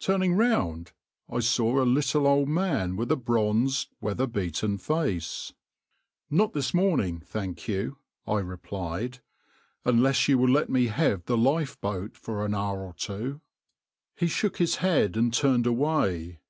Turning round I saw a little, old man with a bronzed, weather beaten face.\par "Not this morning, thank you," I replied; "unless you will let me have the lifeboat for an hour or two."\par He shook his head and turned away.